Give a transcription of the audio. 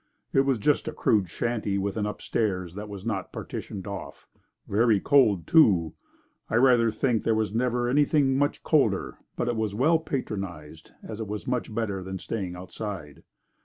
It was just a crude shanty with an upstairs that was not partitioned off. Very cold too. I rather think there never was anything much colder. But it was very well patronized, as it was much better than staying outside.